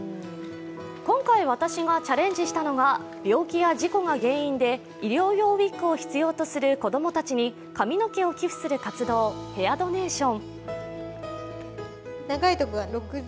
今回、私がチャレンジしたのは病気や事故が原因で医療用ウイッグを必要とする子供たちに髪の毛を寄付する活動ヘアドネーション。